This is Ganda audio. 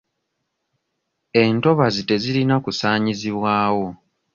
Entobazi tezirina kusaanyizibwawo.